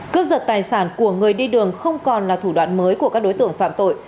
cướp giật tài sản của người đi đường không còn là thủ đoạn mới của các đối tượng phạm tội